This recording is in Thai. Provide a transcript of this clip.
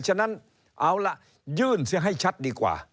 ฉะนั้นเอาล่ะยื่นเสียให้ชัดดีกว่า